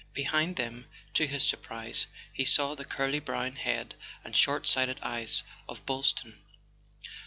Behind them, to his surprise, he saw the curly brown head and short sighted eyes of Boylston.